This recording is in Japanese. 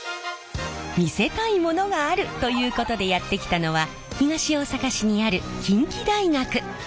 見せたいものがある！ということでやって来たのは東大阪市にある近畿大学！